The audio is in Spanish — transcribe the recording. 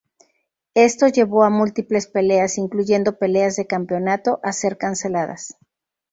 Esto llevó a múltiples peleas, incluyendo peleas de campeonato a ser canceladas.